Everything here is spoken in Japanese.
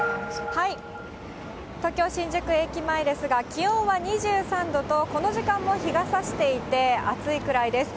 東京・新宿駅前ですが、気温は２３度とこの時間も日がさしていて、暑いくらいです。